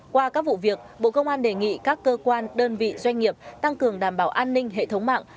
qua các vụ việc bộ công an đề nghị các cơ quan đơn vị doanh nghiệp tăng cường đảm bảo an ninh hệ thống mạng